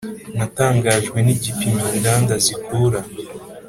natangajwe nigipimo inganda zikura.